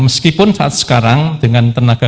meskipun saat sekarang dengan tenaga